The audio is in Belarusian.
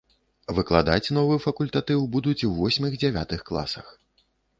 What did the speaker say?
Выкладаць новы факультатыў будуць у восьмых-дзявятых класах.